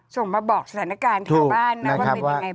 ส่งมาบอกสถานการณ์แถวบ้านนะว่าเป็นยังไง